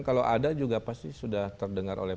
kalau ada juga pasti sudah terdengar oleh